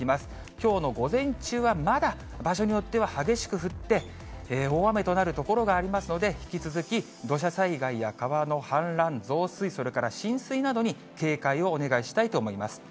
きょうの午前中はまだ場所によっては激しく降って、大雨となる所がありますので、引き続き、土砂災害や川の氾濫、増水、それから浸水などに警戒をお願いしたいと思います。